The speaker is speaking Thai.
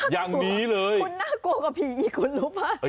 คุณน่ากลัวกับผีอีกคุณรู้เปล่า